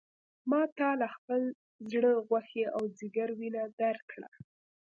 ما تا له خپل زړه غوښې او ځیګر وینه درکړه.